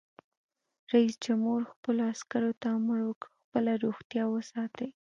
رئیس جمهور خپلو عسکرو ته امر وکړ؛ خپله روغتیا وساتئ!